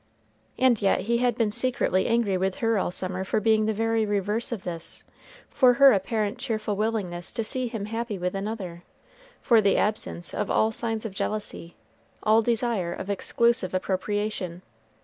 And yet he had been secretly angry with her all summer for being the very reverse of this; for her apparent cheerful willingness to see him happy with another; for the absence of all signs of jealousy, all desire of exclusive appropriation.